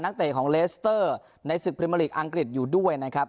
เตะของเลสเตอร์ในศึกพรีเมอร์ลีกอังกฤษอยู่ด้วยนะครับ